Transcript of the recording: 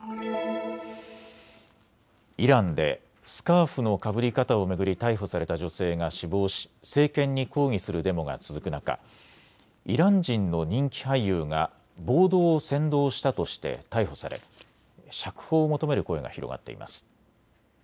イランでスカーフのかぶり方を巡り逮捕された女性が死亡し政権に抗議するデモが続く中、イラン人の人気俳優が暴動を扇動したとして逮捕され釈放を求める声が広がっています。